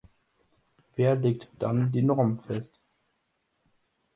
Wer legt dann die Normen fest?